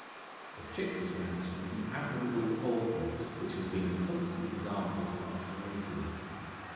The trick was managed with an admirable forethought, which has been a constant example to after ages.